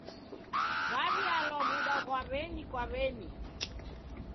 W'aw'ialwa w'uda ghwa w'eni kwa w'eni.